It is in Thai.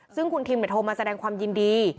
ซึ่งคุณทิมโทรมาแสดงความยินดี